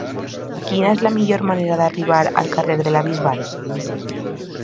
Quina és la millor manera d'arribar al carrer de la Bisbal?